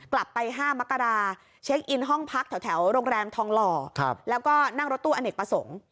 กลับไป๕มกราเช็คอินห้องพักแถวโรงแรมทองหล่อแล้วก็นั่งรถตู้อเนกประสงค์